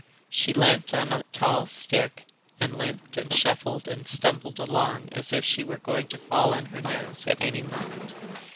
She leant on a tall stick and limped and shuffled and stumbled along as if she were going to fall on her nose at any moment.